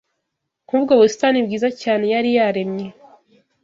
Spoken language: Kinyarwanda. nk’ubwo busitani bwiza cyane yari yaremye